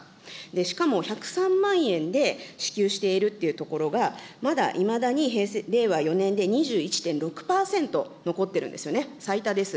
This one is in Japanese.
しかも１０３万円で支給しているっていうところが、まだいまだに令和４年で２１．６％残ってるんですよね、最多です。